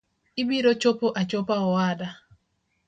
Ibiro chopo achopa owada.